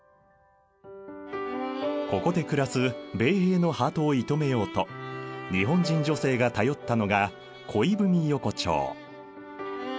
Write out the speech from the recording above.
ここで暮らす米兵のハートを射止めようと日本人女性が頼ったのが恋文横丁。